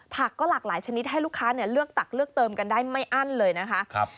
ก็หลากหลายชนิดให้ลูกค้าเลือกตักเลือกเติมกันได้ไม่อั้นเลยนะคะ